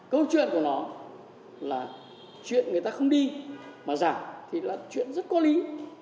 câu chuyện của nó là chuyện người ta không đi mà giảm thì là chuyện rất có lý